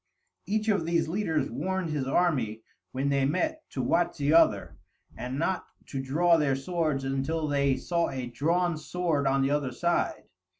Each of these leaders warned his army, when they met, to watch the other, and not to draw their swords until they saw a drawn sword on the other side.